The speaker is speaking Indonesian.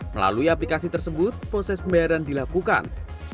melalui aplikasi tersebut proses pembayaran dilakukan